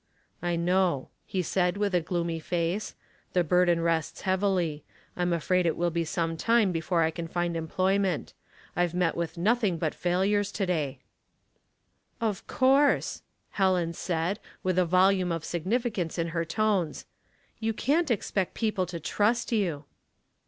" I know," he said, with a gloomy face, " the burden rests heavily. I'm afraid it will be some time before I can find employment. I've met with nothing but failures to da3\" " Of course," Helen said, with a volume of significance in her tones. " You can't expect people to trust you."